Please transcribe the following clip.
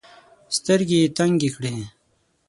سترګي یې تنګي کړې .